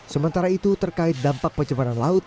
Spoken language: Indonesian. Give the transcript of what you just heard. sementara itu terkait dampak pencemaran laut